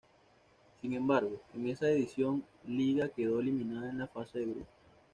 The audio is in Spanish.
Sin embargo, en esa edición Liga quedó eliminada en la fase de grupos.